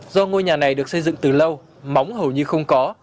do ngôi nhà này được xây dựng từ lâu móng hầu như không có